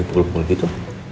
di pukul pukul gitu